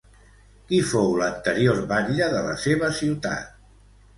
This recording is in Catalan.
Qui fou l'anterior batlle de la seva ciutat?